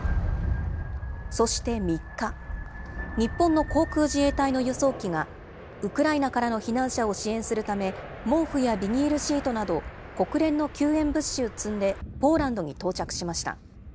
そして３日、日本の航空自衛隊の輸送機が、ウクライナからの避難者を支援するため、毛布やビニールシートなど、国連の救援物資を積んで、ポーランドに到着しました。